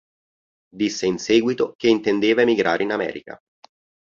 Disse in seguito che intendeva emigrare in America.